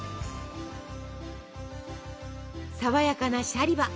さわやかなシャリバ！